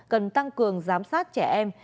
cần tăng cường giám sát trẻ em